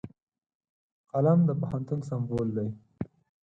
قلم د پوهنتون سمبول دی